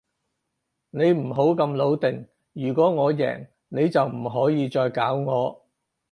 你唔好咁老定，如果我贏，你就唔可以再搞我